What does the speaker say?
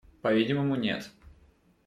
По-видимому, нет.